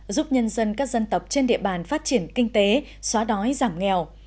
giúp nhân dân các dân tộc trên địa bàn phát triển kinh tế xóa đói giảm nghèo